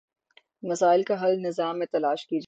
مسائل کا حل نظام میں تلاش کیجیے۔